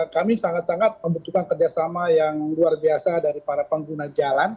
kami sangat sangat membutuhkan kerjasama yang luar biasa dari para pengguna jalan